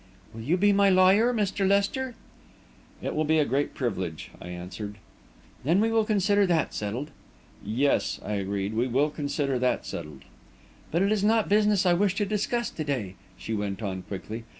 "Will you be my lawyer, Mr. Lester?" "It will be a great privilege," I answered. "Then we will consider that settled?" "Yes," I agreed, "we will consider that settled." "But it is not business I wish to discuss to day," she went on, quickly.